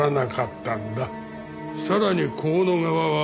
さらに香野側は。